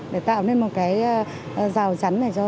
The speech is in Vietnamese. để tạo nên một cái rào chắn này